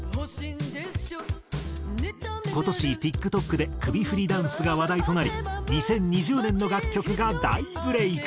今年ＴｉｋＴｏｋで首振りダンスが話題となり２０２０年の楽曲が大ブレーク。